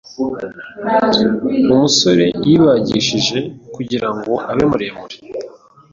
Umusore yibagishije kugirango abe muremure